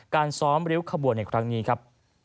การซ้อมริ้วขบวนในครั้งนี้ครับ